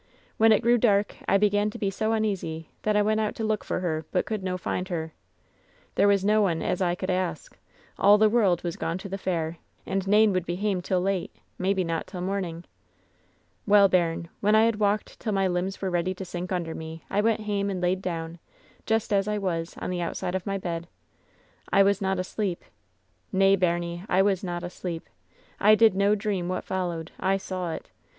When it grew dark I began to be so uneasy that I went out to look for her, but could no find her. There was no one as I could ask ; all the world was gone to the fair, and nane would be hame till late, maybe not till morning. "Well, bairn, when I had walked till my limbs were ready to sink imder me I went hame and laid down, just as I was, on the outside of my bed. I was not asleep. Nay, baimie, I was not asleep. I did no dream what followed. I saw it.